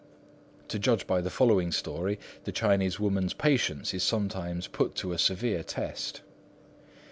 To judge by the following story, the Chinese woman's patience is sometimes put to a severe test.